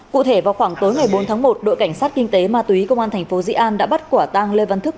cụ thể vào khoảng tối ngày bốn tháng một đội cảnh sát kinh tế ma túy công an thành phố dĩ an đã bắt quả tang lê văn thức